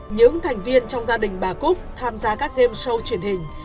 những thành viên trong gia đình bà cúc tham gia các game show truyền hình